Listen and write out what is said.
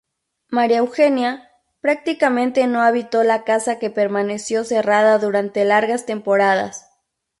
María Eugenia, prácticamente no habitó la casa que permaneció cerrada durante largas temporadas.